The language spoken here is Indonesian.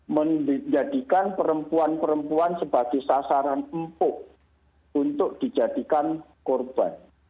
menjadikan perempuan perempuan sebagai sasaran empuk untuk dijadikan korban